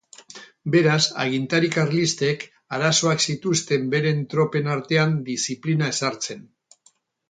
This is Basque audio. Beraz, agintari karlistek arazoak zituzten beren tropen artean diziplina ezartzen.